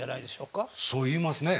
そう言いますね。